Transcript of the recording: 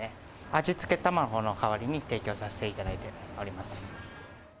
味付け卵の代わりに提供させていただいております。